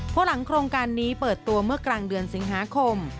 เพราะหลังโครงการนี้เปิดตัวเมื่อกลางเดือนสิงหาคม